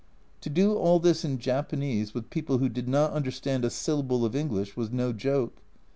To do all this in Japanese with people who did not understand a syllable of English, was no joke